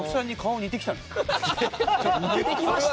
似てきました？